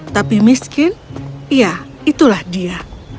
tapi miskin iya itulah dia